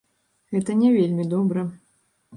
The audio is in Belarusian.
Гэта не вельмі добра.